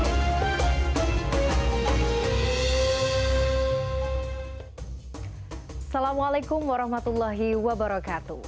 assalamualaikum warahmatullahi wabarakatuh